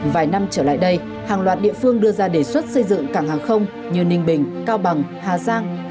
vài năm trở lại đây hàng loạt địa phương đưa ra đề xuất xây dựng cảng hàng không như ninh bình cao bằng hà giang